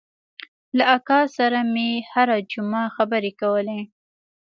له اکا سره مې هره جمعه خبرې کولې.